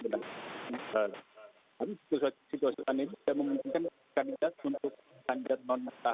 tapi situasi ini sudah memungkinkan kandidat untuk standar non tahanan untuk menang